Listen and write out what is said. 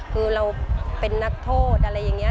คือเราเป็นนักโทษอะไรอย่างนี้